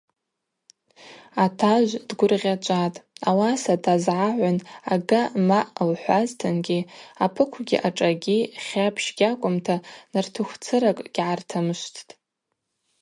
Атажв дгвыргъьачӏватӏ, ауаса дазгӏагӏвын ага маъ-ъ – лхӏвазтынгьи апыквгьи ашӏагьи хьапщ гьакӏвымта нартыхвцыракӏ гьгӏартымшвттӏ.